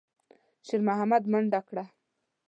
شېرمحمد منډه کړه.